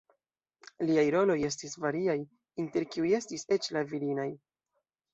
Liaj roloj estis variaj, inter kiuj estis eĉ la virinaj.